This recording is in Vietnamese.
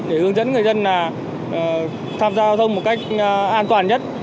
để hướng dẫn người dân tham gia giao thông một cách an toàn nhất